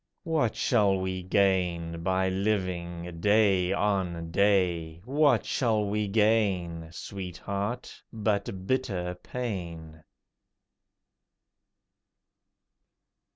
What shall we gain by living day on day? What shall we gain, Sweetheart, but bitter pain?